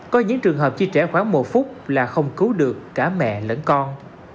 có những trường hợp chi trẻ khoảng một phút là không cứu được cả mẹ lẫn con